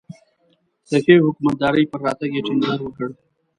د ښې حکومتدارۍ پر راتګ یې ټینګار وکړ.